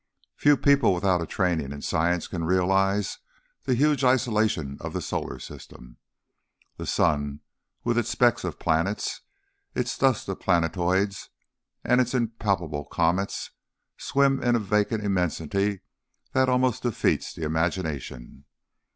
Few people without a training in science can realise the huge isolation of the solar system. The sun with its specks of planets, its dust of planetoids, and its impalpable comets, swims in a vacant immensity that almost defeats the imagination.